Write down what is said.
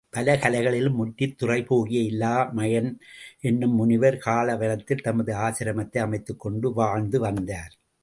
பல கலைகளிலும் முற்றித் துறைபோகிய இலாமயன் என்னும் முனிவர் காள வனத்தில் தமது ஆசிரமத்தை அமைத்துக்கொண்டு வாழ்ந்து வந்தார்.